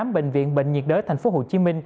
bệnh viện bệnh nhiệt đới tp hcm